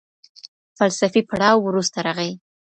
فلسفي پړاو وروسته راغی.